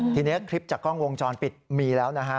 ทีนี้คลิปจากกล้องวงจรปิดมีแล้วนะฮะ